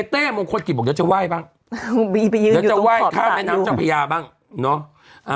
เต้มงคลกิจบอกเดี๋ยวจะไหว้บ้างเดี๋ยวจะไหว้ข้ามแม่น้ำเจ้าพญาบ้างเนอะ